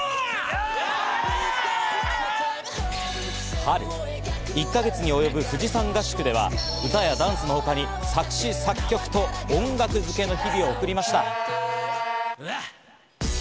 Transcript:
春、１か月に及ぶ富士山合宿では歌やダンスのほかに、作詞・作曲と音楽漬けの日々を送りました。